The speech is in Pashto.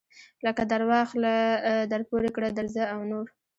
لکه درواخله درپورې کړه درځه او نور.